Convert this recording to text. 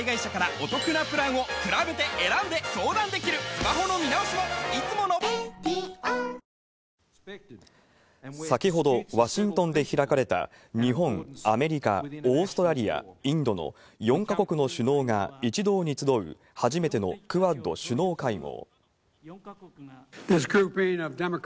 クアッドと呼ばれる、日本、アメリカ、オーストラリア、先ほどワシントンで開かれた日本、アメリカ、オーストラリア、インドの４か国の首脳が一堂に集う初めてのクアッド首脳会合。